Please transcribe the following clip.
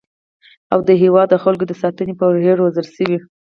او د هیواد او خلکو د ساتنې په روحیه وروزل شي